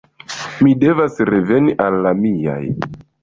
Mi devas reveni al la miaj.